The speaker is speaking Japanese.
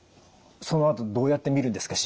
そのあとどうやって見るんですか？